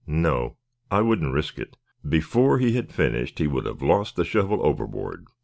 "No, I wouldn't risk it. Before he had finished he would have lost the shovel overboard.